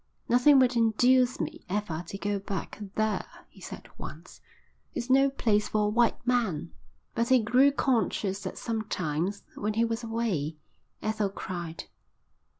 "Nothing would induce me ever to go back there," he said once. "It's no place for a white man." But he grew conscious that sometimes, when he was away, Ethel cried.